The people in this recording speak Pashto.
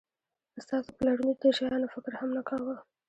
ستاسو پلرونو د دې شیانو فکر هم نه کاوه